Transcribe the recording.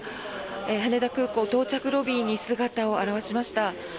羽田空港到着ロビーに姿を現しました。